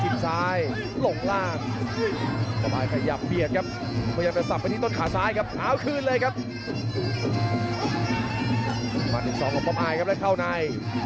มาที่สองของป๊อปไอด์ครับและเข้าใน